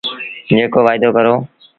جيڪو وآئيدو ڪرو۔